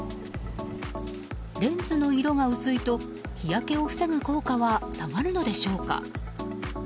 レンズの色が薄いと、日焼けを防ぐ効果は下がるのでしょうか。